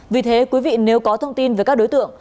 vì thế quý vị nếu có thông tin về các đối tượng